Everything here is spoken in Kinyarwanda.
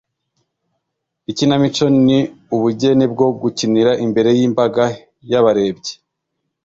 Ikinamico ni ubugeni bwo gukinira imbere y’imbaga y’abarebyi